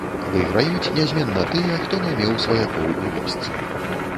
Выйграюць нязменна тыя, хто не меў сваякоў у вёсцы.